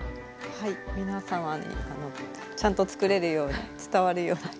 はい皆様にちゃんと作れるように伝わるように頑張ります。